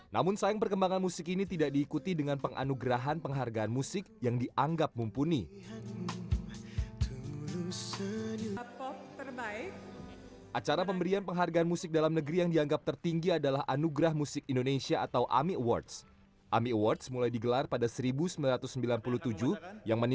namun sayang perkembangan musik ini tidak diikuti dengan penganugerahan penghargaan musik yang dianggap mumpuni